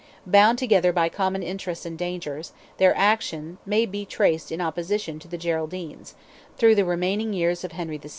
Bound together by common interests and dangers, their action may be traced in opposition to the Geraldines, through the remaining years of Henry VI.